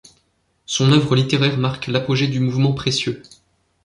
Son œuvre littéraire marque l’apogée du mouvement précieux.